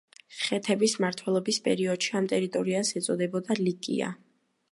ხეთების მმართველობის პერიოდში ამ ტერიტორიას ეწოდებოდა ლიკია.